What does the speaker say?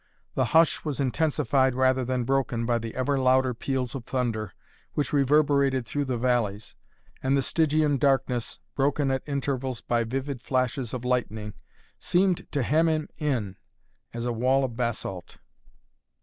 The hush was intensified rather than broken by the ever louder peals of thunder, which reverberated through the valleys, and the Stygian darkness, broken at intervals by vivid flashes of lightning, seemed to hem him in, as a wall of basalt.